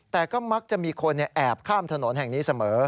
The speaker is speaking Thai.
แต่ก็มักจะมีคนแอบข้ามถนนแห่งนี้เสมอ